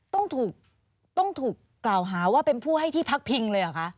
ต้องถูกต้องถูกกล่าวหาว่าเป็นผู้ให้ที่พักพิงเลยเหรอคะ